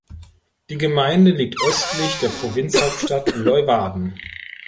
Die Gemeinde liegt östlich der Provinzhauptstadt Leeuwarden.